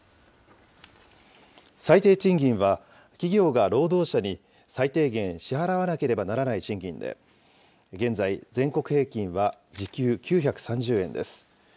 最低賃金は、企業が労働者に最低限支払わなければならない賃金で、現在、全国平均は時給９３０円です。